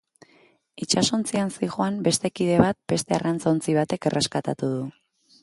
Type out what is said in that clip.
Itsasontzian zihoan beste kide bat beste arrantza-ontzi batek erreskatatu du.